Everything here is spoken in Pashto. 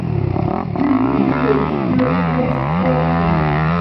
دوی په طب او کیمیا کې کار کړی.